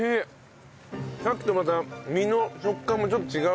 さっきとまた実の食感もちょっと違う。